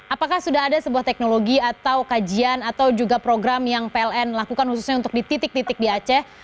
apakah sudah ada sebuah teknologi atau kajian atau juga program yang pln lakukan khususnya untuk di titik titik di aceh